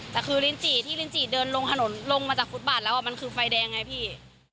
แต่คือลินจิที่ลินจิเดินลงถนนลงมาจากฟุตบาทแล้วมันคือไฟแดงไงพี่